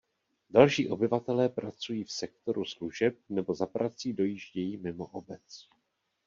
Další obyvatelé pracují v sektoru služeb nebo za prací dojíždějí mimo obec.